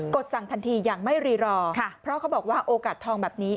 ดสั่งทันทีอย่างไม่รีรอเพราะเขาบอกว่าโอกาสทองแบบนี้